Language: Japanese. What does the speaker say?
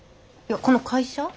いやこの会社？